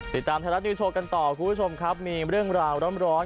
ติดตามไทยรัฐนิวโชว์กันต่อคุณผู้ชมครับมีเรื่องราวร้อน